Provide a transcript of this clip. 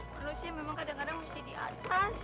manusia memang kadang kadang mesti di atas